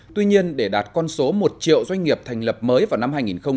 tuy nhiên để đạt con số một triệu doanh nghiệp thành lập mới vào năm hai nghìn hai mươi